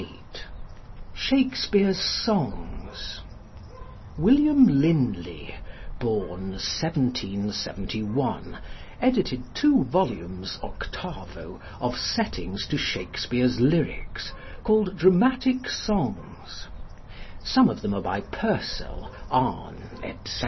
SHAKESPEARE'S SONGS +William Linley+, born 1771, edited two volumes octavo of settings to Shakespeare's lyrics, called Dramatic Songs. Some of them are by Purcell, Arne, etc.